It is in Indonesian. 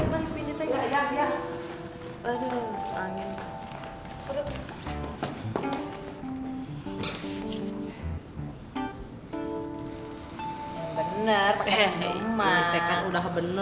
emang rt kan udah bener nyomut